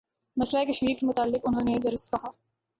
مسئلہ کشمیر کے متعلق انہوں نے درست کہا